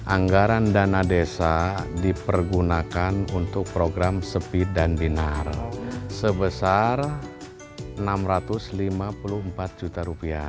anggaran dana desa dipergunakan untuk program sepi dan dinar sebesar rp enam ratus lima puluh empat juta